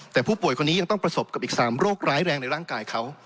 แต่ผู้ป่วยคนนี้ยังต้องประสบกับอีก๓โรคร้ายแรงในร่างกายเขา